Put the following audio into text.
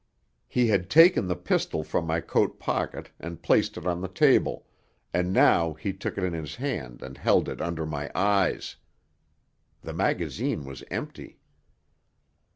He had taken the pistol from my coat pocket and placed it on the table, and now he took it in his hand and held it under my eyes. The magazine was empty.